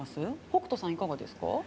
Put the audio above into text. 北斗さん、いかがですか。